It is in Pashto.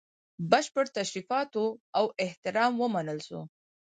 بشپړو تشریفاتو او احترام ومنل سو.